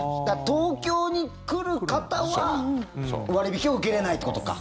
東京に来る方は割引を受けれないってことか。